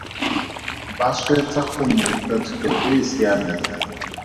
Ba swetsa go mo ruta thuto e e siameng.